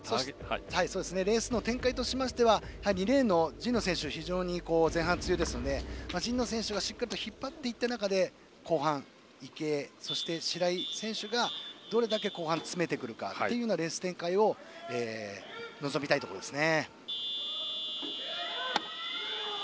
レースの展開としては２レーン神野選手が前半強いので神野選手がしっかり引っ張っていった中で後半、池江、そして白井選手がどれだけ詰めてくるかというレース展開を望みたいところです。